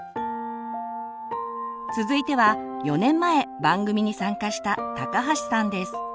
続いては４年前番組に参加した高橋さんです。